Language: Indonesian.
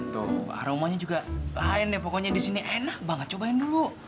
tuh aromanya juga lain deh pokoknya di sini enak banget cobain dulu